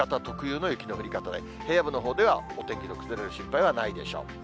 特有の雪の降り方で、平野部のほうでは、お天気の崩れる心配はないでしょう。